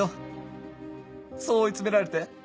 そう追い詰められて。